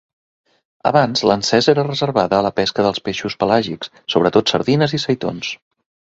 Abans, l'encesa era reservada a la pesca dels peixos pelàgics, sobretot sardines i seitons.